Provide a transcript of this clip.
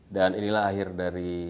dan inilah akhir dari